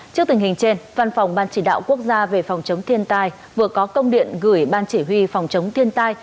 trước tình hình trên văn phòng ban chỉ đạo quốc gia về phòng chống thiên tai vừa có công điện gửi ban chỉ huy phòng chống thiên tai